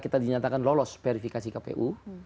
kita dinyatakan lolos verifikasi kpu